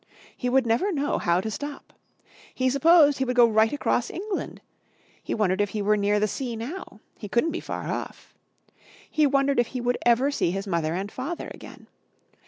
He would never know how to stop. He supposed he would go right across England. He wondered if he were near the sea now. He couldn't be far off. He wondered if he would ever see his mother and father again.